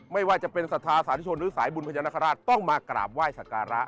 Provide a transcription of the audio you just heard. ไม่ว่าจะเป็นศาธิชนหรือสายบุญพญานากราชต้องมากราบว่ายสการะ